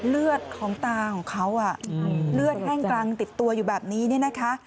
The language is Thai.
เลือดของตาของเขาเลือดแห้งกลางติดตัวอยู่แบบนี้เนี่ยนะคะ